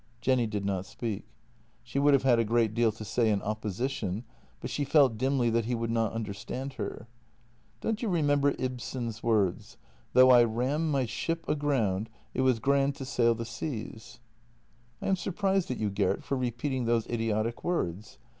Jenny did not speak. She would have had a great deal to say in opposition, but she felt dimly that he would not un derstand her. "Don't you remember Ibsen's words: "' Though I ram my ship aground, it was grand to sail the seas '?"" I am surprised at you, Gert, for repeating those idiotic words.